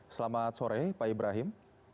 selamat sore pak ibrahim